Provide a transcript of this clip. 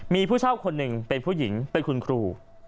มีผู้เช่าคนหนึ่งเป็นผู้หญิงเป็นคุณครู